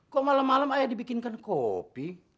kok malam malam ayah dibikinkan kopi